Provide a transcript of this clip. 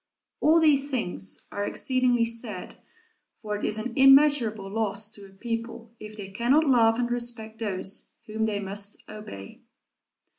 All these things are exceedingly sad, for it is an immeasurable loss to a people if they cannot love and respect those whom they must obey.